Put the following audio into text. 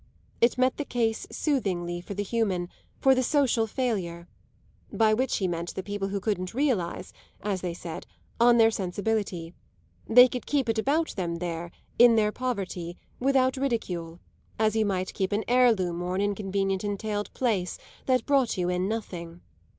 It met the case soothingly for the human, for the social failure by which he meant the people who couldn't "realise," as they said, on their sensibility: they could keep it about them there, in their poverty, without ridicule, as you might keep an heirloom or an inconvenient entailed place that brought you in nothing.